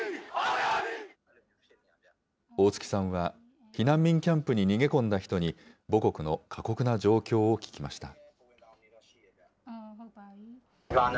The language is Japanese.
大槻さんは、避難民キャンプに逃げ込んだ人に、母国の過酷な状況を聞きました。